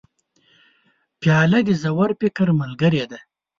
پیاله د ژور فکر ملګرې ده.